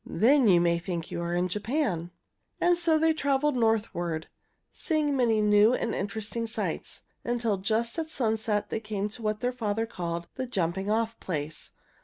Then you may think you are in Japan." And so they traveled northward, seeing many new and interesting sights, until just at sunset they came to what their father called the "Jumping off Place."